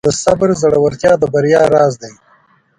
د صبر زړورتیا د بریا راز دی.